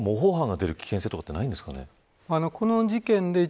今後、模倣犯が出る危険性とかはないですかね。